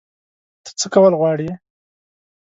ته څه کول غواړې؟